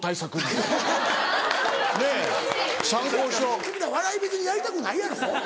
君ら笑い別にやりたくないやろ？